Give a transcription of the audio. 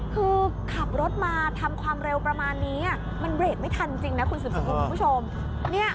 คือขับรถมาทำความเร็วประมาณนี้มันเบรกไม่ทันจริงนะคุณสืบสกุลคุณผู้ชม